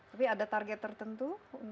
tapi ada target tertentu